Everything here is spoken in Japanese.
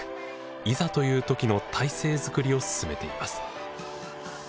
いざという時の体制づくりを進めています。